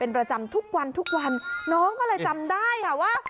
ก็จำทุกวันน้องก็เลยจำได้ค่ะว่า